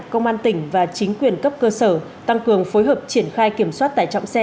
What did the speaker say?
công an tỉnh và chính quyền cấp cơ sở tăng cường phối hợp triển khai kiểm soát tải trọng xe